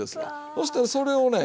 そしてそれをね